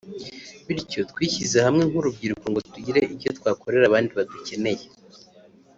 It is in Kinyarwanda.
bityo twishyize hamwe nk’urubyiruko ngo tugire icyo twakorera abandi badukeneye